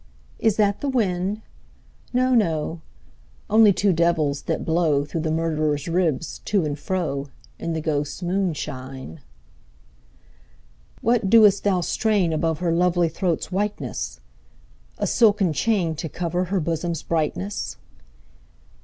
Is that the wind ? No, no ; Only two devils, that blow Through the murderer's ribs to and fro. In the ghosts' moi^ishine. THE GHOSTS* MOONSHINE, 39 III. What dost thou strain above her Lovely throat's whiteness ? A silken chain, to cover Her bosom's brightness